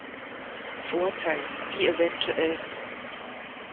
Vorteil: Die evtl.